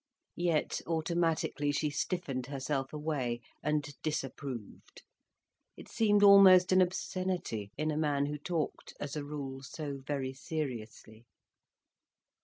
Yet automatically she stiffened herself away, and disapproved. It seemed almost an obscenity, in a man who talked as a rule so very seriously.